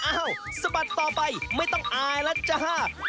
สะบัดต่อไปไม่ต้องอายแล้วจ้า